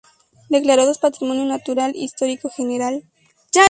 Declarados patrimonio natural histórico general